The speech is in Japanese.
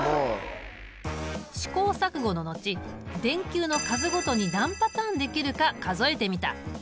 試行錯誤の後電球の数ごとに何パターンできるか数えてみた。